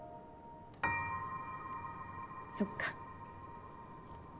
そっか。